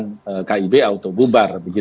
menjadikan kib auto bubar